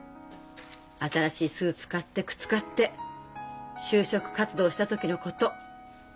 新しいスーツ買って靴買って就職活動した時のこと。